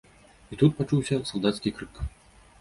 І тут пачуўся салдацкі крык.